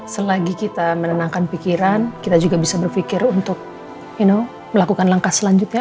selagi kita menenangkan pikiran kita juga bisa berpikir untuk melakukan langkah selanjutnya